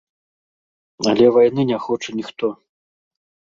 Але вайны не хоча ніхто.